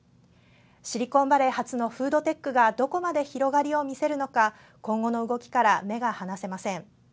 シリコンバレー発のフードテックがどこまで広がりを見せるのか今後の動きから目が離せません。